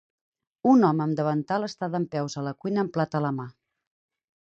Un home amb davantal està dempeus a la cuina amb plat a la mà.